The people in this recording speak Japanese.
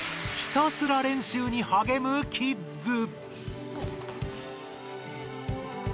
ひたすら練習にはげむキッズ。